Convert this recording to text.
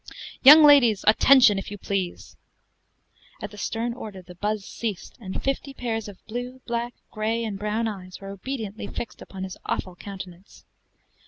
"Young ladies, attention, if you please!" At the stern order the buzz ceased, and fifty pairs of blue, black, gray, and brown eyes were obediently fixed upon his awful countenance.